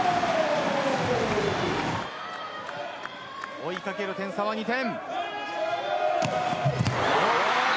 追いかける点差は２点。